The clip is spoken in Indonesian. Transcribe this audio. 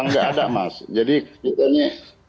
nggak ada mas jadi kita ini